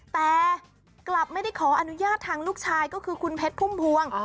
แต่กลับไม่ได้ขออนุญาตทางลูกชายก็คือคุณเพชรพุ่มพวง